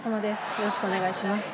よろしくお願いします。